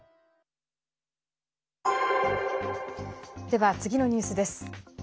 では、次のニュースです。